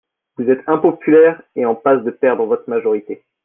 Vous êtes impopulaire et en passe de perdre votre majorité.